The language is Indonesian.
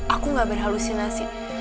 aku gak berhalusinasi